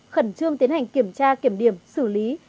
khẩn trương tiến hành kiểm tra kiểm điểm xử lý